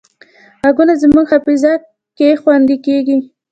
غږونه زموږ حافظه کې خوندي کېږي